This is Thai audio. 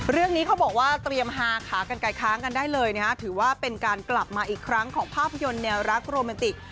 เรื่องนี้เขาบอกว่าเตรียมฮาขากันไกลค้างกันได้เลยนะฮะถือว่าเป็นการกลับมาอีกครั้งของภาพยนตร์แนวรักโรแมนติก